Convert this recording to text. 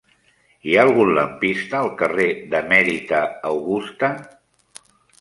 Hi ha algun lampista al carrer d'Emèrita Augusta?